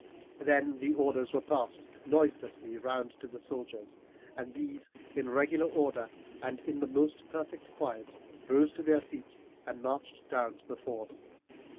Then the orders were passed noiselessly round to the soldiers, and these, in regular order and in the most perfect quiet, rose to their feet and marched down to the ford.